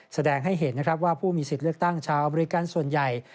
แสดงให้เห็นนะครับว่าผู้มีสิทธิ์เลือกตั้งชาวอเมริกันส่วนใหญ่